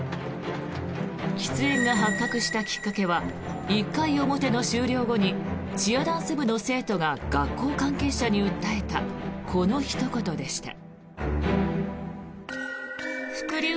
喫煙が発覚したきっかけは１回表の試合後にチアダンス部の生徒が学校関係者に訴えたこのひと言でした。